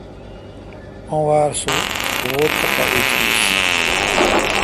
او وار سو ووٹ تھ پا ایٹیس۔